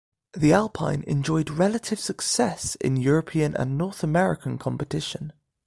The Alpine enjoyed relative success in European and North American competition.